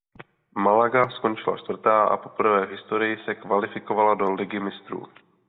Málaga skončila čtvrtá a poprvé v historii se kvalifikovala do Ligy Mistrů.